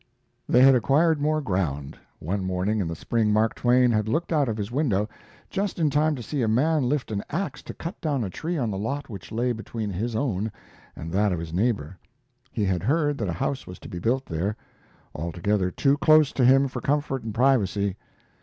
They had acquired more ground. One morning in the spring Mark Twain had looked out of his window just in time to see a man lift an ax to cut down a tree on the lot which lay between his own and that of his neighbor. He had heard that a house was to be built there; altogether too close to him for comfort and privacy.